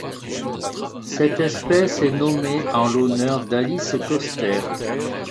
Cette espèce est nommée en l'honneur d'Alice Coster.